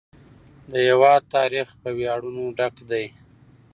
د هېواد تاریخ په ویاړونو ډک دی.